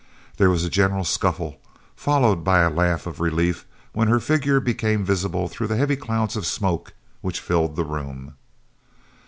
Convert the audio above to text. There was a general scuffle, followed by a laugh of relief, when her figure became visible through the heavy clouds of smoke which filled the room.